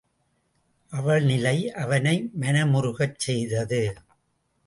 அவள் நிலை அவனை மனமுருகச் செய்தது.